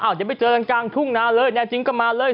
อ้าวจะไม่เจอกันกันทุ่งนาเลยแน่จริงก็มาเลย